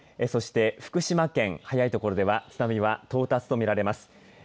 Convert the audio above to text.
そして福島県、早いところでは津波は到達と見られます。